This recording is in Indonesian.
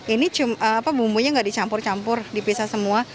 ini bumbunya nggak dicampur campur dipisah semua